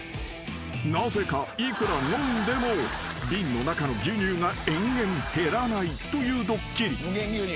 ［なぜかいくら飲んでも瓶の中の牛乳が延々減らないというドッキリ］